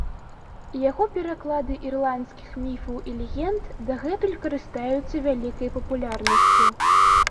Яго пераклады ірландскіх міфаў і легенд дагэтуль карыстаюцца вялікай папулярнасцю.